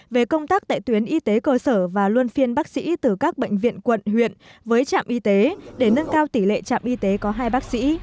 về công tác tại tuyến y tế cơ sở và luân phiên bác sĩ từ các bệnh viện quận huyện với trạm y tế để nâng cao tỷ lệ trạm y tế có hai bác sĩ